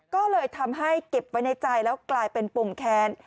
ก็เลยทำให้เก็บไว้ในใจแล้วกลายเป็นปุ่มแค้น